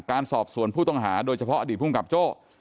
การสอบสวนผู้ต้องหาโดยเฉพาะอดีตภูมิกับโจ้